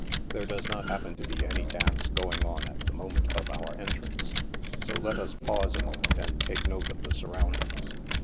There does not happen to be any dance going on at the moment of our entrance, so let us pause a moment and take note of the sur roundings.